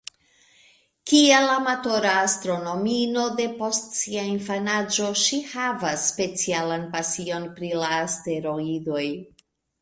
Kiel amatora astronomino depost sia infanaĝo, ŝi havas specialan pasion pri la asteroidoj.